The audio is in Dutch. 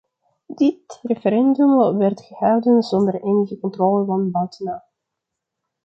Dit referendum werd gehouden zonder enige controle van buitenaf.